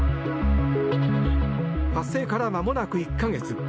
発生からまもなく１か月。